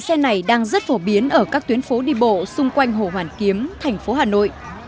xe này đang rất phổ biến ở các tuyến phố đi bộ xung quanh hồ hoàn kiếm thành phố hà nội